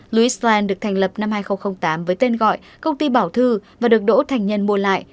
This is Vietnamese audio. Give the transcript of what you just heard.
luisvn được thành lập năm hai nghìn tám với tên gọi công ty bảo thư và được đỗ thành nhân mua lại